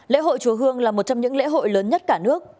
lễ hội chùa hương là một trong những lễ hội lớn nhất cả nước